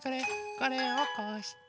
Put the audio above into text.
これをこうして。